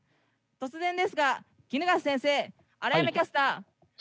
突然ですが衣笠先生荒山キャスター